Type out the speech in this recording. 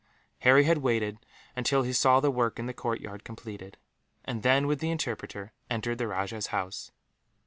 Harry had waited until he saw the work in the courtyard completed; and then, with the interpreter, entered the rajah's house.